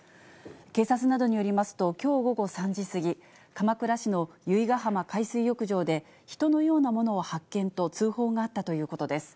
警察などによりますと、きょう午後３時過ぎ、鎌倉市の由比ガ浜海水浴場で、人のようなものを発見と通報があったということです。